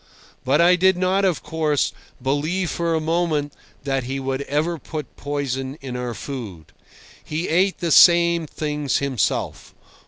But I did not, of course, believe for a moment that he would ever put poison in our food. He ate the same things himself.